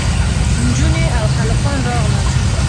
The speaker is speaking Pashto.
نجونې او هلکان راغلل.